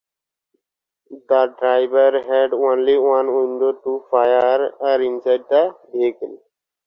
The driver had only one window to fire inside the vehicle.